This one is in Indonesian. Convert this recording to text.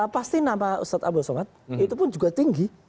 pasti nama ustadz abdul somad itu pun juga tinggi